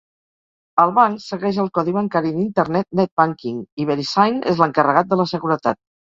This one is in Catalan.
El banc segueix el codi bancari d'internet NetBanking i Verisign és l'encarregat de la seguretat.